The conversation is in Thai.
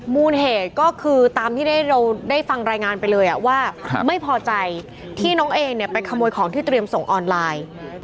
มูลเหตุก็คือตามที่เราได้ฟังรายงานไปเลยว่าไม่พอใจที่น้องเอเนี่ยไปขโมยของที่เตรียมส่งออนไลน์